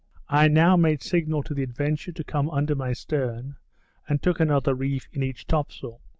I now made signal to the Adventure to come under my stern, and took another reef in each top sail.